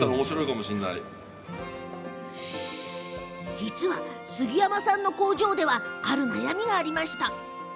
実は、杉山さんの工場ではある悩みが。